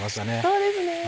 そうですね。